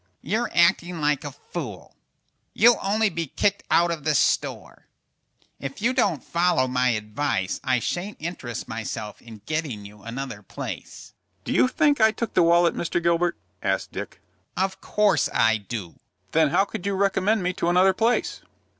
"You're acting like a fool. You'll only be kicked out of the store. If you don't follow my advice, I shan't interest myself in getting you another place." "Do you think I took the wallet, Mr. Gilbert?" asked Dick. "Of course I do." "Then how could you recommend me to another place?"